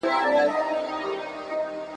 جنازې مو پر اوږو د ورځو ګرځي `